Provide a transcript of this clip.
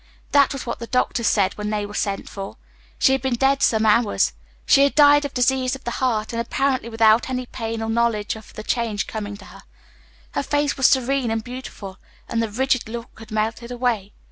That was what the doctors said when they were sent for. She had been dead some hours she had died of disease of the heart, and apparently without any pain or knowledge of the change coming to her. Her face was serene and beautiful, and the rigid look had melted away.